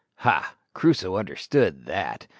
Ha! Crusoe understood that.